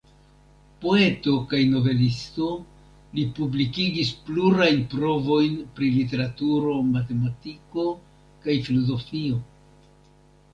Poeto kaj novelisto, li publikigis plurajn provojn pri literaturo, matematiko kaj filozofio.